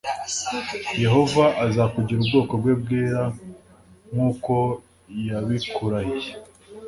yehova azakugira ubwoko bwe bwera+ nk’uko yabikurahiye.